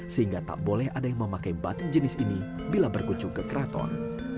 sehingga tak boleh ada yang memakai batik jenis ini bila berkunjung ke keraton